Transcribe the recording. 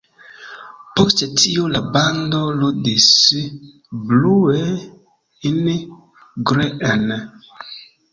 Post tio la bando ludis „Blue in Green”.